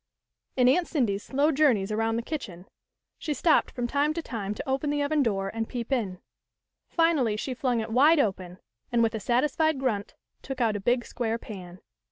In Aunt Cindy's slow journeys around the kitchen, she stopped from time to time to open the oven door and peep in. Finally she flung it wide open, and, with a satisfied grunt, took out a big square pan.